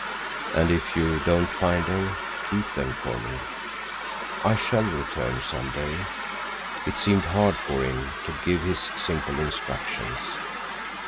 And if you don't find her, keep them for me. I shall return some day." It seemed hard for him to give his simple instructions.